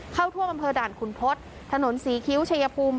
เข้าท่วมอำเภอด่านขุนทศถนนศรีคิ้วชัยภูมิ